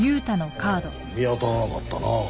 ああ見当たらなかったな。